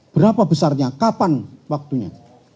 berapa besar nya kapan waktunya